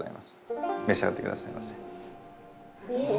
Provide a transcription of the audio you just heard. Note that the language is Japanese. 召し上がって下さいませ。